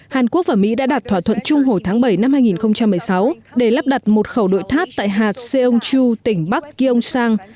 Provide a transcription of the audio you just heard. hàn quốc và mỹ đã đặt thỏa thuận chung hồi tháng bảy năm hai nghìn một mươi sáu để lắp đặt một khẩu đội tháp tại hà xê ông chu tỉnh bắc kiê ông sang